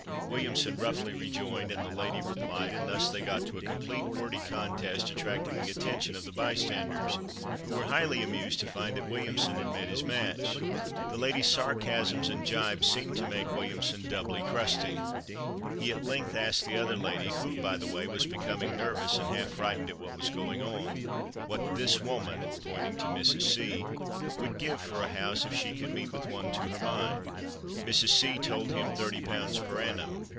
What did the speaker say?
Williamson roughly rejoined, and the lady replied, and thus they got to a complete wordy contest attracting the attention of the bystanders, who were highly amused to find that Williamson had met his match. The lady's sarcasms and gibes seemed to make Williamson doubly crusty. He at length asked the other lady who, by the way, was becoming nervous and half frightened at what was going on "what this woman," pointing to Mrs. C , "would give for a house if she could meet with one to her mind." Mrs. C told him 30 pounds per annum.